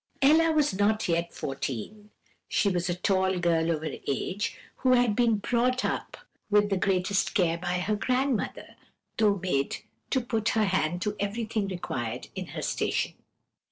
"Ella was not yet fourteen; she was a tall girl of her age, and had been brought up with the greatest care by her grandmother, though made to put her hand to everything required in her station.